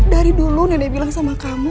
dari dulu nenek bilang sama kamu